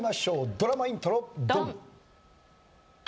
ドラマイントロドン！